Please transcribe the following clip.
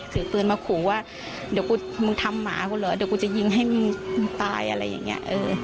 ถือปืนมาขู่ว่าเดี๋ยวกูมึงทำหมากูเหรอเดี๋ยวกูจะยิงให้มึงตายอะไรอย่างนี้